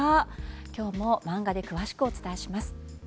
今日も漫画で詳しくお伝えします。